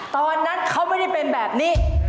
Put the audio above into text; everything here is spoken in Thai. ตอนนั้นเขาไม่ได้เป็นแบบนี้